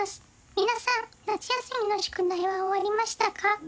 皆さん、夏休みの宿題は終わりま